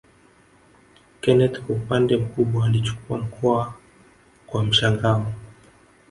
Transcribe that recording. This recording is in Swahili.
Kenneth kwa upande mkubwa alichukua mkoa kwa mshangao